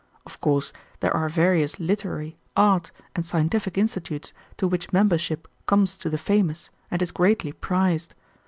Of course there are various literary, art, and scientific institutes to which membership comes to the famous and is greatly prized.